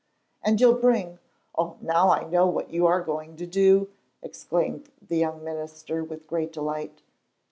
"And you'll bring, oh, now I know what you are going to do!" exclaimed the young minister, with great delight.